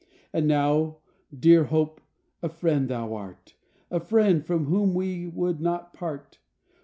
And now dear Hope, a friend thou art, A friend from whom we would not part.